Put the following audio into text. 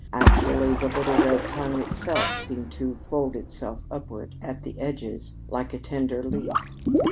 Actually, the little red tongue itself seemed to fold itself upward, at the edges, like a tender leaf.